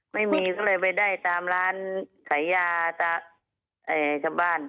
ไม่มีก็เลยไปได้ตามร้านขายยาตามชาวบ้าน